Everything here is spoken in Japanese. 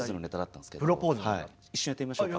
一瞬やってみましょうか。